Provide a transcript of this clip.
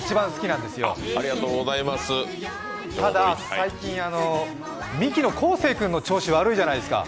最近、ミキの昴生君の調子悪いじゃないですか。